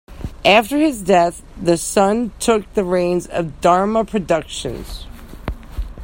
After his death, his son took the reins of Dharma Productions.